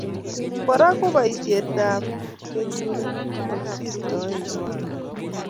Kora ko boisietab keturek komokisirtoe kiwango